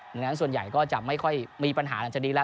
ดังนั้นส่วนใหญ่ก็จะมีปัญหาไม่ค่อยอาจดีกละ